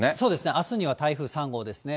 あすには台風３号ですね。